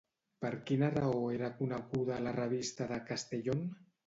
Per quina raó era coneguda la Revista de Castellón?